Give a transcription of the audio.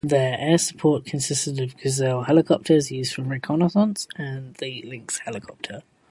Their air support consisted of Gazelle helicopters, used for reconnaissance, and the Lynx helicopter.